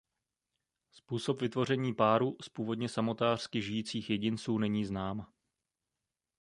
Způsob vytvoření páru z původně samotářsky žijících jedinců není znám.